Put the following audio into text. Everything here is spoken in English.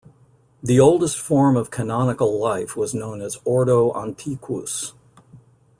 The oldest form of canonical life was known as "Ordo Antiquus".